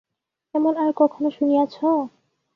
এমন আর কখনো শুনিয়াছ?